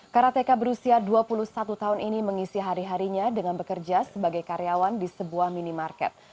karateka berusia dua puluh satu tahun ini mengisi hari harinya dengan bekerja sebagai karyawan di sebuah minimarket